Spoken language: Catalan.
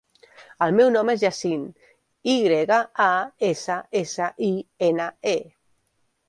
El meu nom és Yassine: i grega, a, essa, essa, i, ena, e.